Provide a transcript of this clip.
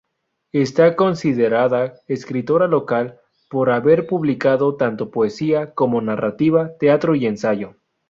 Está considerada escritora total, por haber publicado tanto poesía como narrativa, teatro y ensayo.